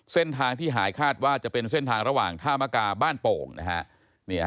เส้นทางที่หายคาดว่าจะเป็นเส้นทางระหว่างท่ามกาบ้านโป่งนะฮะ